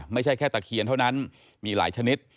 ไม่ใช่แค่ตะเคียนเท่านั้นมีหลายชนิด